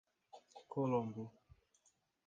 Colombo